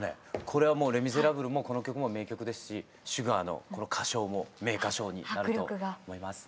これはもう「レ・ミゼラブル」もこの曲も名曲ですしシュガーのこの歌唱も名歌唱になると思います。